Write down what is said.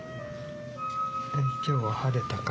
今日は晴れたかね？